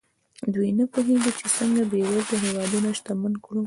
دوی نه پوهېږي چې څنګه بېوزله هېوادونه شتمن کړو.